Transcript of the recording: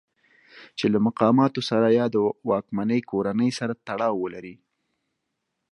چې له مقاماتو سره یا واکمنې کورنۍ سره تړاو ولرئ.